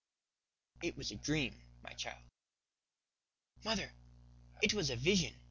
"It was a dream, my child." "Mother, it was a vision.